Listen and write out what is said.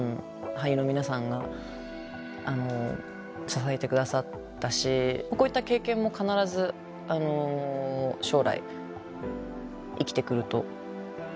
俳優の皆さんが支えて下さったしこういった経験も必ず将来生きてくると思ってます。